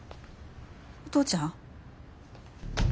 お父ちゃん。